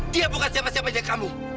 dia bukan siapa siapa jadi kamu